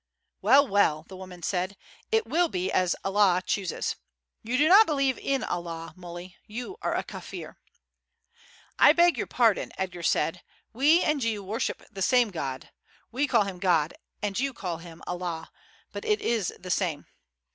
"Well, well!" the woman said, "it will be as Allah chooses. You do not believe in Allah, Muley, you are a Kaffir." "I beg your pardon," Edgar said; "we and you worship the same God. We call him God, and you call him Allah; but it is the same.